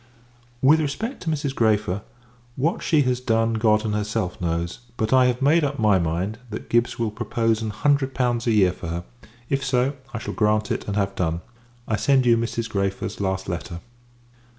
With respect to Mrs. Græfer what she has done, God and herself knows; but I have made up my mind, that Gibbs will propose an hundred pounds a year for her: if so, I shall grant it, and have done. I send you Mrs. Græfer's last letter.